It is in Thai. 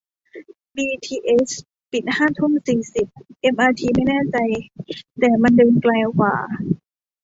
บีทีเอสปิดห้าทุ่มสี่สิบ เอ็มอาร์ทีไม่แน่ใจ แต่มันเดินไกลกว่า